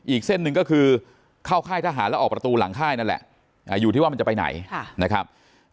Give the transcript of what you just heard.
อีกเส้นหนึ่งก็คือเข้าค่ายทหารแล้วออกประตูหลังค่ายนั่นแหละอยู่ที่ว่ามันจะไปไหนนะครับ